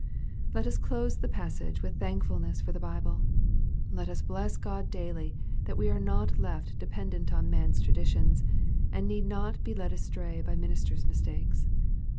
'' Let us close the passage with thankfulness for the Bible. Let us bless God daily that we are not left de pendent on man's traditions, and need not be led astray by ministers' mistakes.